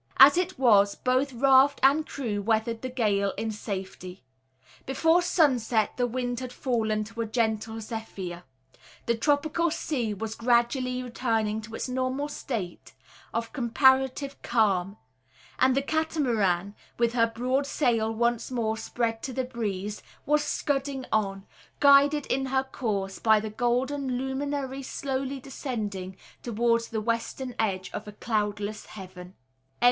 As it was, both raft and crew weathered the gale in safety. Before sunset the wind had fallen to a gentle zephyr; the tropical sea was gradually returning to its normal state of comparative calm; and the Catamaran, with her broad sail once more spread to the breeze, was scudding on, guided in her course by the golden luminary slowly descending towards the western edge of a cloudless heaven.